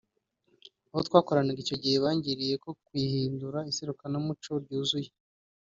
Abo twakoranaga icyo gihe bangiriye yo kuyihindura iserukiramuco ryuzuye